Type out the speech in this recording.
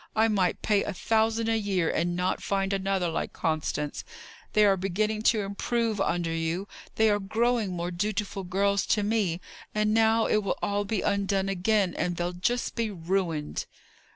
I might pay a thousand a year and not find another like Constance. They are beginning to improve under you: they are growing more dutiful girls to me; and now it will all be undone again, and they'll just be ruined!"